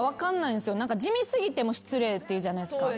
地味過ぎても失礼っていうじゃないですか。